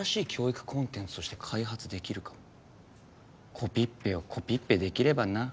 コピッペをコピッペできればな。